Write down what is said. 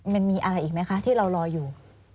มันมีอะไรอีกไหมคะที่เรารออยู่